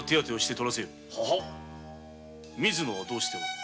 水野はどうした？